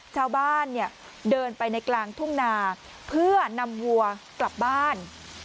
ชาวบ้านเนี่ยเดินไปในกลางทุ่งนาเพื่อนำวัวกลับบ้าน